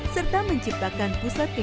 serta menciptakan pusat kegiatan